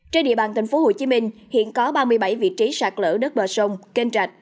trên địa bàn tp hcm hiện có ba mươi bảy vị trí sạt lở đất bờ sông kênh rạch